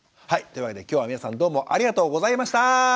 というわけできょうは皆さんどうもありがとうございました。